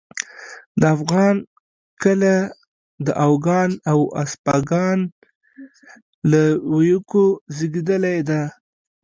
د افغان کله د اوگان او اسپاگان له ويوکو زېږېدلې ده